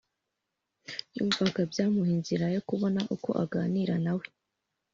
yumvaga byamuha inzira yo kubona uko aganira na we